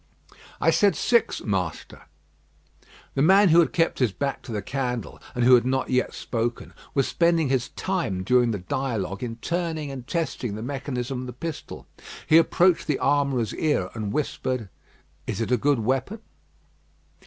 "I said six, master." The man who kept his back to the candle, and who had not yet spoken, was spending his time during the dialogue in turning and testing the mechanism of the pistol. He approached the armourer's ear and whispered "Is it a good weapon?"